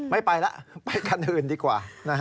ไม่ไปแล้วไปคันอื่นดีกว่า